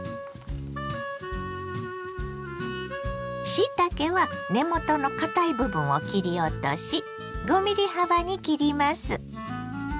しいたけは根元の堅い部分を切り落とし５ｍｍ幅に切ります。